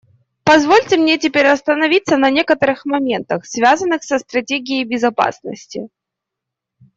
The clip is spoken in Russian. Позвольте мне теперь остановиться на некоторых моментах, связанных со стратегией безопасности.